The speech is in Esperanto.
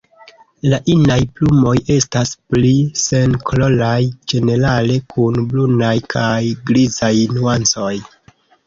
La inaj plumoj estas pli senkoloraj ĝenerale kun brunaj kaj grizaj nuancoj.